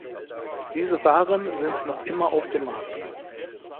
Diese Waren sind noch immer auf dem Markt.